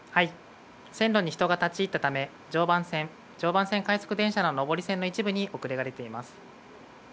線路に人が立ち入ったため、常磐線、常磐線快速の上り線の一部に遅れが出ています。